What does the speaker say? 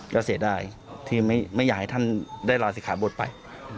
ก็เสียดายที่ไม่อยากให้ท่านได้ลาศิกขาบทไป